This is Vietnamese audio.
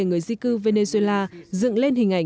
người di cư venezuela dựng lên hình ảnh